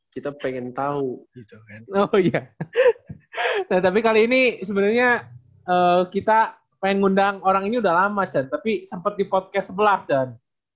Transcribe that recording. kita ingin mengundang orang ini sudah lama tapi sempat di podcast sebelah john